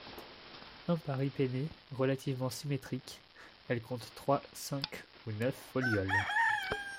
Imparipennées, relativement symétriques, elles comptent trois, cinq ou neuf folioles.